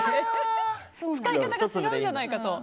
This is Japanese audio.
使い方が違うんじゃないかと。